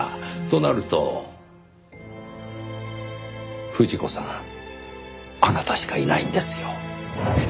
となると富士子さんあなたしかいないんですよ。